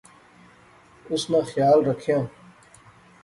اس ناں خیال رکھِیاں